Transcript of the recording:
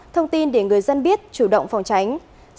thông tin để người dân biết chủ động phòng tránh